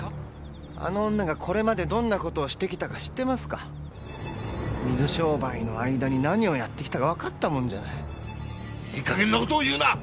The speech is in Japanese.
あの女がこれまでどんなことをしてき水商売の間に何をやってきたか分かったもいいかげんなことを言うな！